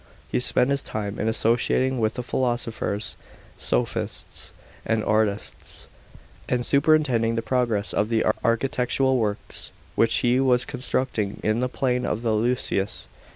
He spent his time in associating with the philosophers, sophists, and artists, and superintending the progress of the architectural works which he was constructing in the plain of the Ilissus.